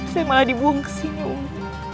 saya malah dibuang kesini umi